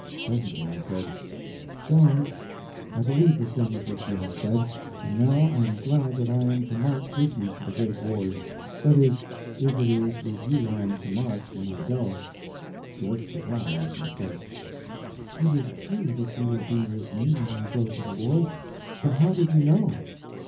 Presently I said: "Joan, I believe the things which you have said, and now I am glad that I am to march with you to the great wars—that is, if it is with you I am to march when I go." She looked surprised, and said: "It is true that you will be with me when I go to the wars, but how did you know?"